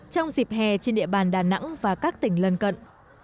trong dịp hè trên địa bàn đà nẵng và các tỉnh lân cận